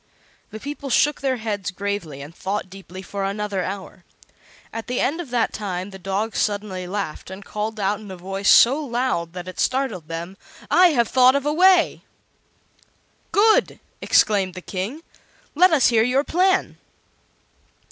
The people shook their heads gravely and thought deeply for another hour. At the end of that time the dog suddenly laughed, and called out in a voice so loud that it startled them: "I have thought of a way!" "Good!" exclaimed the King. "Let us hear your plan."